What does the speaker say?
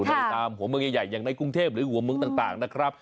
ในตามหัวเมืองใหญ่อย่างในกรุงเทพหรือหัวเมืองต่างนะครับ